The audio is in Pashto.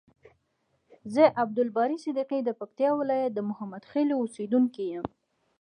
ز عبدالباری صدیقی د پکتیکا ولایت د محمدخیلو اوسیدونکی یم.